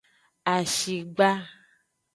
Ahigba.